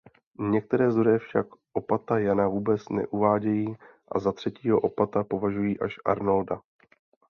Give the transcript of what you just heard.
Některé zdroje však opata Jana vůbec neuvádějí a za třetího opata považují až Arnolda.